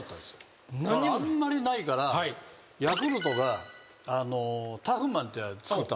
あんまりないからヤクルトがタフマンって作ったんですよ。